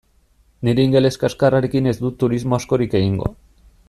Nire ingeles kaxkarrarekin ez dut turismo askorik egingo.